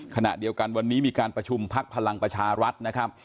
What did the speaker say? ขณะเดียวกันวันนี้มีการประชุมพักพลังประชารัฐนะครับ